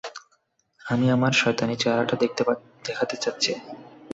আমি আমার শয়তানী চেহারাটা দেখাতে চাচ্ছি!